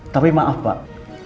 tapi maaf pak